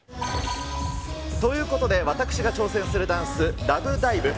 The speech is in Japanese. ということで、私が挑戦するダンス、ラブダイブ。